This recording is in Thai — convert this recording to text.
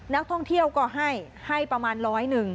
นักท่องเที่ยวก็ให้ให้ประมาณร้อยหนึ่ง